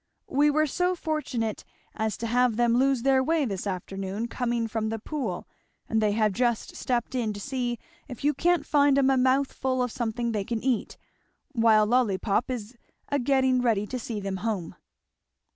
We were so fortunate as to have them lose their way this afternoon, coming from the Pool, and they have just stepped in to see if you can't find 'em a mouthful of something they can eat, while Lollypop is a getting ready to see them home."